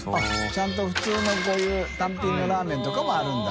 舛磴鵑普通のこういう単品のラーメンとかもあるんだ。